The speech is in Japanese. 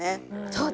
そう！